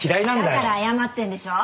だから謝ってんでしょ？